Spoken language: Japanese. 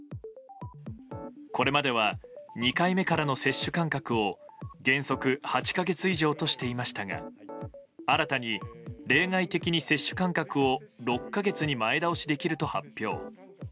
これまでは２回目からの接種間隔を原則８か月以上としていましたが新たに例外的に接種間隔を６か月に前倒しできると発表。